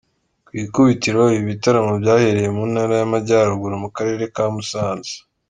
Ku ikubitiro ibi bitaramo byahereye mu ntara y’Amajyaruguru mu karere ka Musanze.